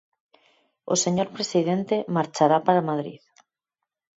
O señor presidente marchará para Madrid.